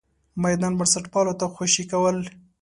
میدان بنسټپالو ته خوشې کول.